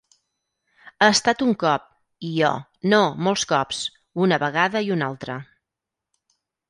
“Ha estat un cop”, i jo: “No, molts cops”, una vegada i una altra.